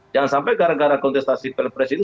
jangan sampai gara gara kontestasi pilpres ini